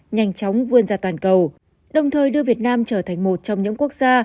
nhanh chóng vươn ra toàn cầu đồng thời đưa việt nam trở thành một trong những quốc gia